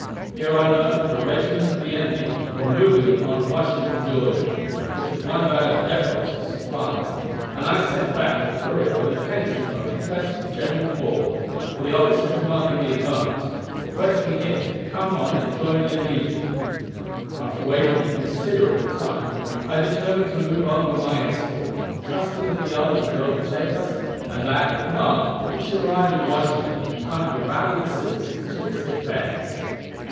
Here I learned that a regiment of the enemy were moving upon Washington, Georgia, which was one of our depots of supplies, and I sent back a courier with a pencil note addressed to General Vaughn, or the officer commanding the advance, requesting him to come on and join me immediately. After waiting a considerable time, I determined to move on with my escort, trusting that the others would overtake us, and that, if not, we should arrive in Washington in time to rally the citizens to its defense.